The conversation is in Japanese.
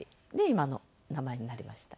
今の名前になりました。